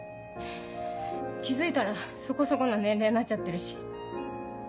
気付いたらそこそこの年齢になっちゃってるし。